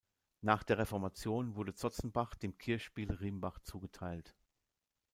Nach der Reformation wurde Zotzenbach dem Kirchspiel Rimbach zugeteilt.